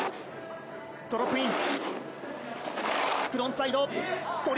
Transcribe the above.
ドロップイン。